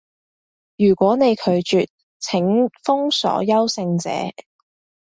如果你拒絕，請封鎖優勝者